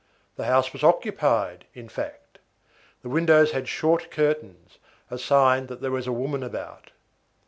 The house was occupied, in fact. The windows had short curtains, a sign that there was a woman about.